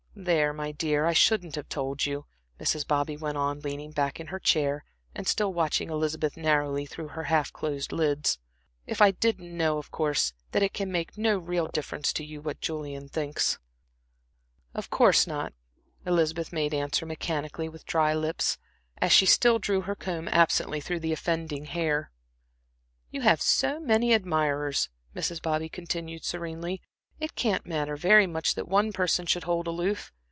There, my dear, I shouldn't have told you," Mrs. Bobby went on, leaning back in her chair, and still watching Elizabeth narrowly through half closed lids, "if I didn't know, of course, that it can make no real difference to you what Julian thinks." "Of course not," Elizabeth made answer mechanically with dry lips, as she still drew her comb absently through the offending hair. "You have so many admirers," Mrs. Bobby continued serenely, "it can't matter very much that one person should hold aloof.